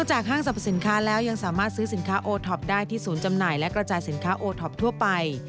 ห้างสรรพสินค้าแล้วยังสามารถซื้อสินค้าโอท็อปได้ที่ศูนย์จำหน่ายและกระจายสินค้าโอท็อปทั่วไป